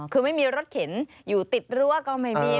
คือไม่มีรถเข็นอยู่ติดรั้วก็ไม่มี